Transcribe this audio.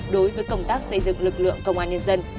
đối với công tác xây dựng lực lượng công an nhân dân